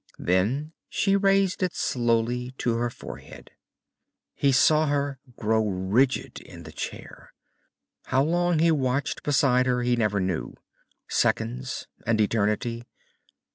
Then she raised it slowly to her forehead. He saw her grow rigid in the chair. How long he watched beside her he never knew. Seconds, an eternity.